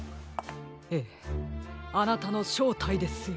ええあなたのしょうたいですよ。